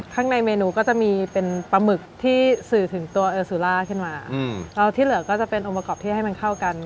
ข้างในเมนูก็จะมีเป็นปลาหมึกที่สื่อถึงตัวเออซูล่าขึ้นมาแล้วที่เหลือก็จะเป็นองค์ประกอบที่ให้มันเข้ากัน